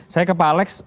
saya ke pak alex